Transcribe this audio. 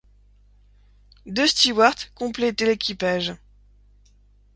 Deux stewarts complétaient l'équipage.